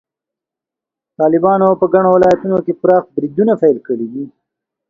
طالبانو په ګڼو ولایتونو کې پراخ بریدونه پیل کړي دي.